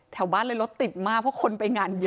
แถวบ้านเลยรถติดมากเพราะคนไปงานเยอะ